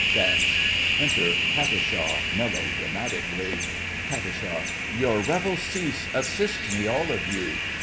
(Dance.) Enter Katisha melodramatically KAT. Your revels cease! Assist me, all of you!